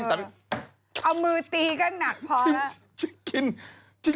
เอามือตีก็หนักพอแล้ว